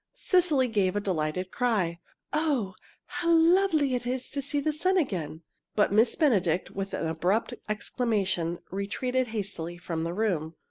Cecily gave a delighted cry, "Oh, how lovely it is to see the sun again!" But Miss Benedict, with an abrupt exclamation, retreated hastily from the room.